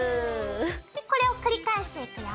これを繰り返していくよ。